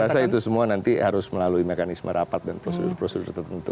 saya rasa itu semua nanti harus melalui mekanisme rapat dan prosedur prosedur tertentu